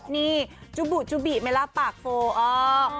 นี่จุบุจุบิไหมล่ะปากโฟเออ